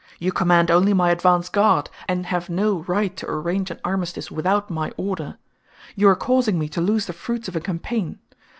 You command only my advance guard, and have no right to arrange an armistice without my order. You are causing me to lose the fruits of a campaign.